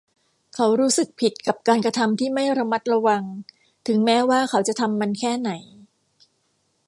เขารู้สึกผิดกับการกระทำที่ไม่ระมัดระวังถึงแม้ว่าเขาจะทำมันแค่ไหน